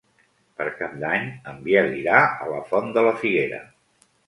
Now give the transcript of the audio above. Per Cap d'Any en Biel irà a la Font de la Figuera.